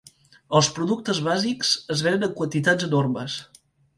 Els productes bàsics es venen en quantitats enormes.